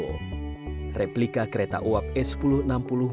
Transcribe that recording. salah satu jejak eksistensi kereta api ini dapat dilihat di museum kereta api sawah lunto